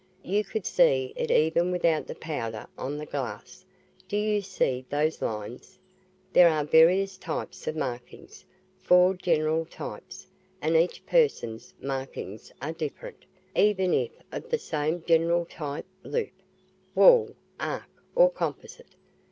You could see it even without the powder on this glass. Do you see those lines? There are various types of markings four general types and each person's markings are different, even if of the same general type loop, whorl, arch, or composite."